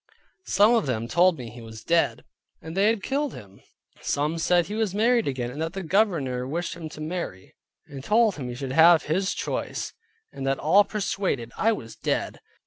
Some of them told me he was dead, and they had killed him; some said he was married again, and that the Governor wished him to marry; and told him he should have his choice, and that all persuaded I was dead.